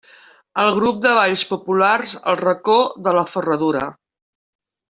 El grup de balls populars El racó de la Ferradura.